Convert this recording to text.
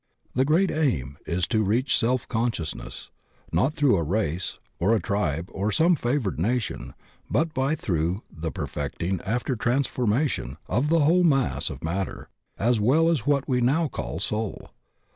The great aim is to reach self consciousness; not through a race or a tribe or some favored nation, but by and through the perfecting, after transformation, of the whole mass of matter as well as what we now call soul.